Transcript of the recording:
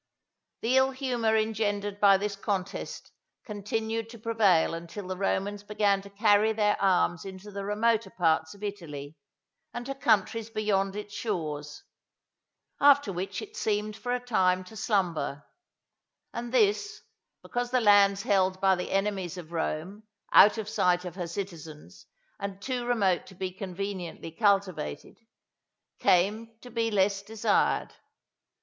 The ill humour engendered by this contest continued to prevail until the Romans began to carry their arms into the remoter parts of Italy and to countries beyond its shores; after which it seemed for a time to slumber—and this, because the lands held by the enemies of Rome, out of sight of her citizens and too remote to be conveniently cultivated, came to be less desired.